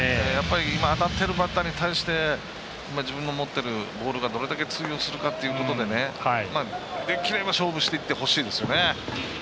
今、当たっているバッターに対して自分の持っているボールがどれだけ通用するかでできれば勝負していってほしいですね。